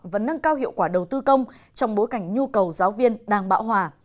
và nâng cao hiệu quả đầu tư công trong bối cảnh nhu cầu giáo viên đang bão hòa